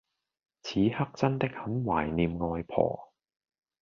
此刻真的很懷念外婆